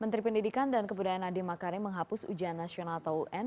menteri pendidikan dan kebudayaan nadiem makarim menghapus ujian nasional atau un